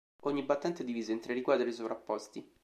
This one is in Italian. Ogni battente è diviso in tre riquadri sovrapposti.